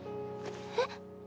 えっ？